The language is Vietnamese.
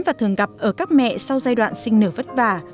và thường gặp ở các mẹ sau giai đoạn sinh nở vất vả